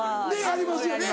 やりますよね